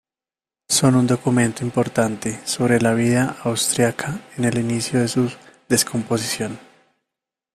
Son un documento importante sobre la vida austriaca en el inicio de su descomposición.